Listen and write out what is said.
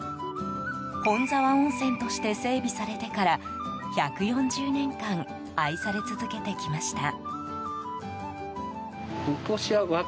本沢温泉として整備されてから１４０年間愛され続けてきました。